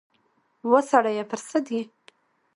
وا سړیه پر سد یې ؟